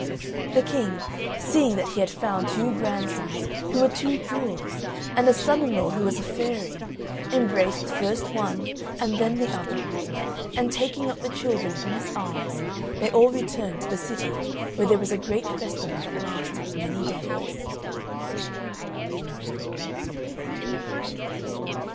The King, seeing that he had found two grandsons who were two jewels and a son in law who was a fairy, embraced first one and then the other; and taking up the children in his arms, they all returned to the city where there was a great festival that lasted many days.